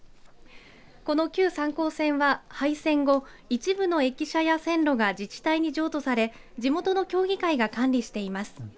この急三江線は廃線後一部の駅舎や線路が自治体に譲渡され地元の協議会が管理しています。